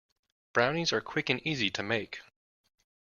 Brownies are quick and easy to make.